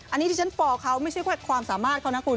อันนี้ที่ฉันฟอร์เขาไม่ใช่ความสามารถเขานะคุณ